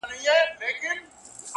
هغه چي ماته يې په سرو وینو غزل ليکله ـ